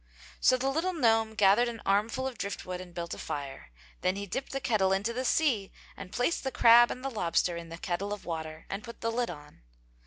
So the little gnome gathered an armful of drift wood and built a fire. Then he dipped the kettle into the sea and placed the crab and the lobster in the kettle of water and put the lid on.